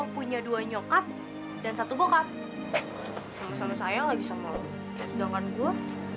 kalau punya dua nyokap dan satu bokap sama sama sayang lagi sama dengan gua